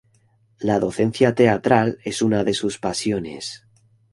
La docencia teatral es una de sus pasiones.